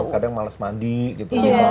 kadang malas mandi gitu